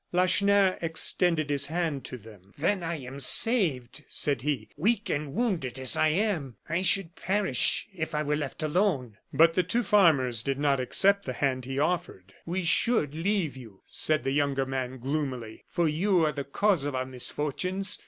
Lacheneur extended his hand to them. "Then I am saved," said he. "Weak and wounded as I am, I should perish if I were left alone." But the two farmers did not accept the hand he offered. "We should leave you," said the younger man, gloomily, "for you are the cause of our misfortunes.